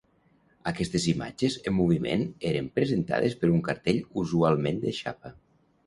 Aquestes imatges en moviment eren presentades per un cartell usualment de xapa.